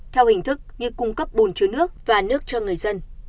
theo hình thức như cung cấp bùn chứa nước và nước cho người dân